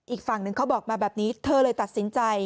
อีกฝั่งหนึ่งเขาบอกมาแบบนี้เธอเลยตัดสินใจ